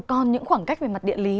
còn những khoảng cách về mặt địa lý